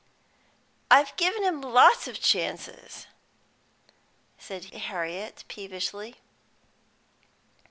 "I've given him lots o' chances," said Harriet peevishly.